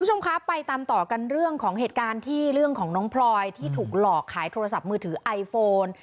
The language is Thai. คุณผู้ชมคะไปตามต่อกันเรื่องของเหตุการณ์ที่เรื่องของน้องพลอยที่ถูกหลอกขายโทรศัพท์มือถือไอโฟน